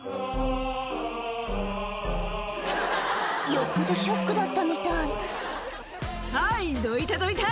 よっぽどショックだったみたい「はいどいたどいた！